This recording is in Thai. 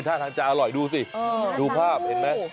ท่าทางจะอร่อยดูสิดูภาพเห็นไหม